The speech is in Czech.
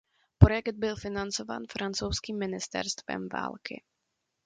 Projekt byl financován francouzským ministerstvem války.